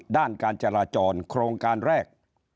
ด้านการจราจรโครงการแรก